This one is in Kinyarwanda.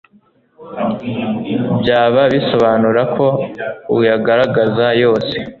Byaba bisobanura ko uyagaragaza yose